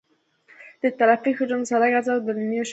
د ترافیک حجم د سرک عرض او د لینونو شمېر ټاکي